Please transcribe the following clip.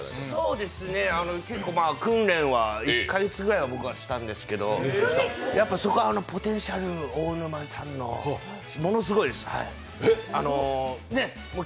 そうですね、訓練は１か月くらい僕はしたんですけどそこはポテンシャル、大沼さんの、ものすごいです。